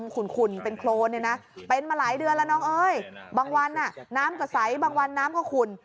คุณเป็นโคลน